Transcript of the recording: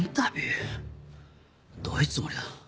どういうつもりだ？